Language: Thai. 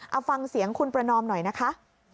เอาฟังเสียงคุณประนอมหน่อยนะคะ